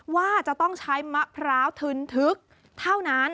ว่าจะต้องใช้มะพร้าวทึนทึกเท่านั้น